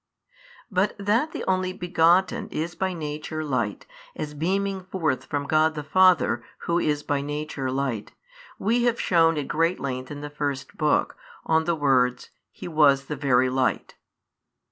But that the Only Begotten is by Nature Light, as beaming forth from God the Father Who is by Nature Light, we have shewn at great length in the first book, on the words, He was the Very Light.